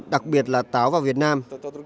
đặc biệt là táo vào việt nam